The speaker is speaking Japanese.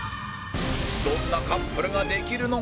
どんなカップルができるのか？